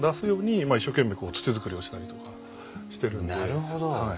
なるほど。